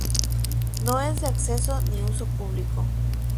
No es de acceso ni uso público.